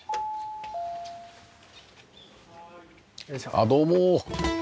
あっどうも。